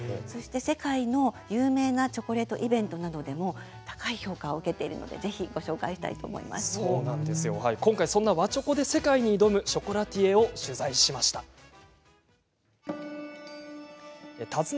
そして世界の有名なチョコレートをイベントなどでも高い評価を受けているので、ぜひ今回そんな和チョコで世界に挑むショコラティエを取材しました。